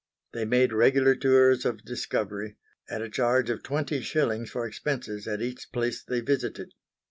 They made regular tours of discovery, at a charge of twenty shillings for expenses at each place they visited.